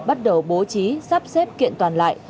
bắt đầu bố trí sắp xếp kiện toàn lại